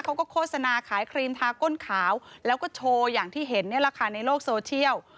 โฆษณาขายครีมทาก้นขาวแล้วก็โชว์อย่างที่เห็นนี่แหละค่ะในโลกโซเชียล